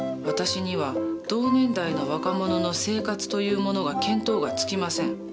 私には同年代の若者の生活というものが見当がつきません。